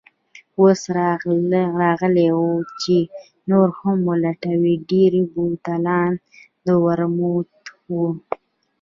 اوس راغلې وه چې نور هم ولټوي، ډېری بوتلان د ورموت وو.